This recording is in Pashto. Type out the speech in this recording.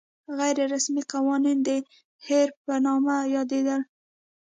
غیر رسمي قوانین د هیر په نامه یادېدل.